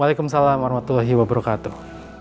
waalaikumsalam warahmatullahi wabarakatuh